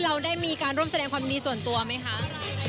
เราได้มีการร่วมแสดงความดีส่วนตัวไหมคะ